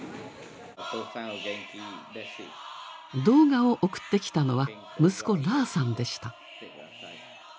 動画を送ってきたのは息子ラーさんでした。